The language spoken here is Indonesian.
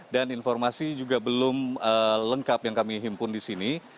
dan informasi juga belum lengkap yang kami himpun di sini